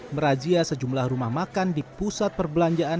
merazia sejumlah rumah makan di pusat perbelanjaan